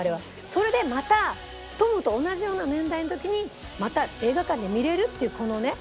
それでまたトムと同じような年代の時にまた映画館で見れるっていうこのね。